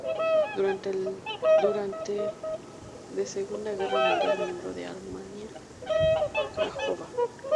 Durante de Segunda Guerra Mundial miembro de Armia Krajowa.